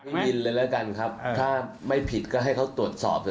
วินเลยแล้วกันครับถ้าไม่ผิดก็ให้เขาตรวจสอบเถ